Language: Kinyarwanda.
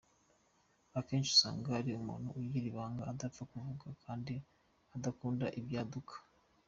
Akenshi usanga ari umuntu ugira ibanga, udapfa kuvuga kandi udakunda ibyaduka.